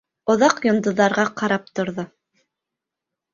Оҙаҡ йондоҙҙарға ҡарап торҙо.